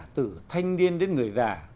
từ thanh niên đến người già